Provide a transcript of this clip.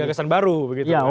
gagasan baru begitu